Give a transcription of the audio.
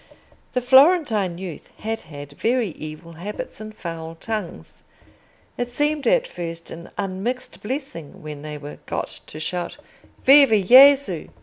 The Florentine youth had had very evil habits and foul tongues: it seemed at first an unmixed blessing when they were got to shout "Viva Gesù!"